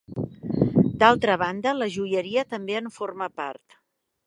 D'altra banda, la joieria també en forma part.